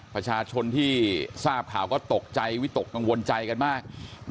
ประชาชนที่ทราบข่าวก็ตกใจวิตกกังวลใจกันมาก